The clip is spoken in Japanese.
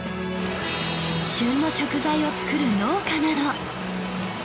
旬の食材を作る農家など